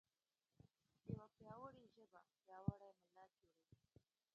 یوه پیاوړې ژبه پیاوړی ملت جوړوي.